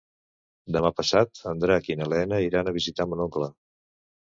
Demà passat en Drac i na Lena iran a visitar mon oncle.